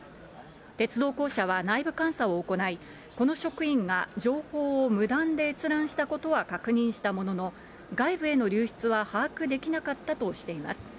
鉄道公社は内部監査を行い、この職員が情報を無断で閲覧したことは確認したものの、外部への流出は把握できなかったとしています。